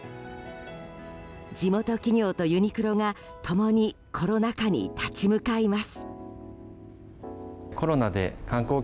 地元企業とユニクロが、共にコロナ禍に立ち向かいます。